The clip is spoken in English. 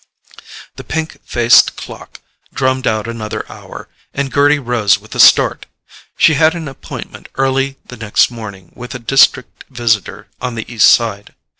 The pink faced clock drummed out another hour, and Gerty rose with a start. She had an appointment early the next morning with a district visitor on the East side.